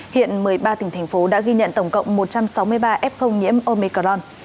hiện một mươi ba tỉnh thành phố đã ghi nhận tổng cộng một trăm sáu mươi ba f nhiễm omicron